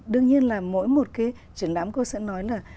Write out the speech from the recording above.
đương nhiên là mỗi một cái triển lãm cô sẽ nói là